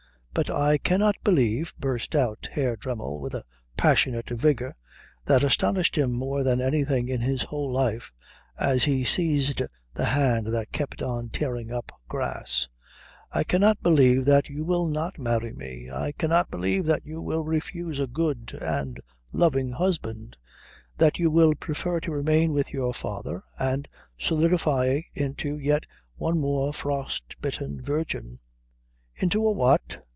"But I cannot believe," burst out Herr Dremmel with a passionate vigour that astonished him more than anything in his whole life as he seized the hand that kept on tearing up grass, "I cannot believe that you will not marry me. I cannot believe that you will refuse a good and loving husband, that you will prefer to remain with your father and solidify into yet one more frostbitten virgin." "Into a what?"